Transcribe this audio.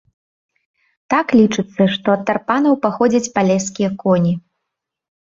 Так, лічыцца, што ад тарпанаў паходзяць палескія коні.